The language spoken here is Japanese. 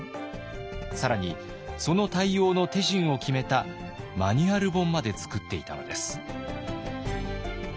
更にその対応の手順を決めたマニュアル本まで作っていたのです。